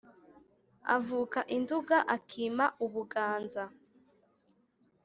Avuka i Nduga akima u Buganza,